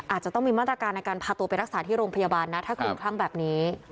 อาจจะต้องมีมาตรการในการพาตัวไปรักษาที่โรงพยาบาลนะถ้าคลุมคลั่งแบบนี้